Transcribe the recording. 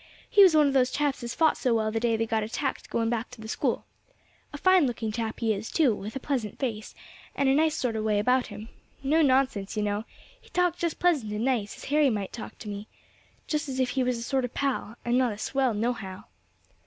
He was one of those chaps as fought so well the day they got attacked going back to the School. A fine looking chap he is too, with a pleasant face, and a nice sort of way about him. No nonsense, you know; he talked just pleasant and nice, as Harry might talk to me, just as if he was a sort of pal, and not a swell no how."